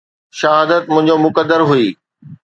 شهادت منهنجو مقدر هئي